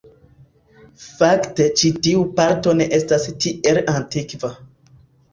Fakte ĉi tiu parto ne estas tiel antikva.